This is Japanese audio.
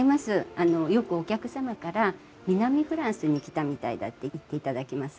あのよくお客様から「南フランスに来たみたいだ」って言っていただけます。